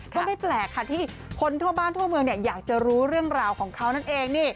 ก็ไม่แปลกค่ะที่คนทั่วบ้านทั่วเมืองอยากจะรู้เรื่องราวของเขานั่นเองนี่